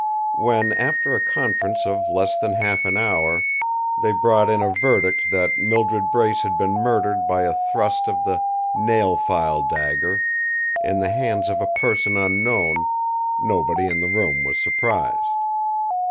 When, after a conference of less than half an hour, they brought in a verdict that Mildred Brace had been murdered by a thrust of the "nail file dagger" in the hands of a person unknown, nobody in the room was surprised.